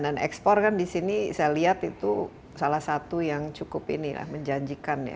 dan ekspor kan disini saya lihat itu salah satu yang cukup ini lah menjanjikan ya